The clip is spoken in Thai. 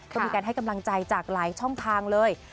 ก็มีการให้กำลังใจจากหลายช่องทางเลย